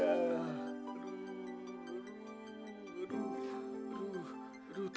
aduh aduh aduh